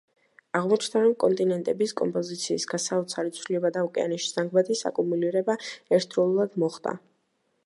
აღმოჩნდა, რომ კონტინენტების კომპოზიციის გასაოცარი ცვლილება და ოკეანეში ჟანგბადის აკუმულირება ერთდროულად მოხდა.